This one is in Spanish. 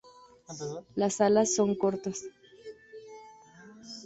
Las alas son cortas.